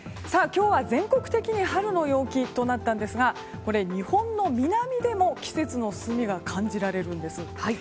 今日は全国的に春の陽気となったんですが日本の南でも季節の進みが感じられるんです。